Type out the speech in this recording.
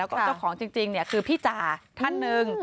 แล้วก็เจ้าของจริงคือพี่จ่าท่านหนึ่ง